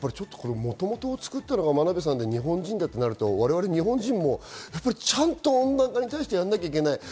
もともとを作ったのが真鍋さんで日本人だとなると我々日本人も温暖化に対してちゃんとやらなきゃいけない。